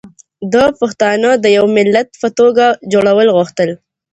ده پښتانه د يو ملت په توګه جوړول غوښتل